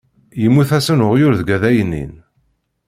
Yemmut-asen uɣyul deg addaynin.